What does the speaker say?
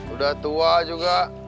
udah tua juga